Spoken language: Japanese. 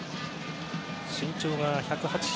身長が１８９ｃｍ。